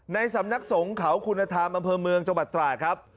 สำนักสงฆ์เขาคุณธรรมอำเภอเมืองจังหวัดตราดครับ